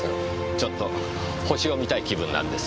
ちょっと星を見たい気分なんです。